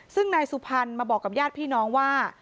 ซึ่งนายสุพรรณมาบอกกับญาติพี่น้องว่า